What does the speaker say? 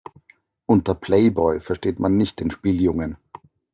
Unter Playboy versteht man nicht den Spieljungen.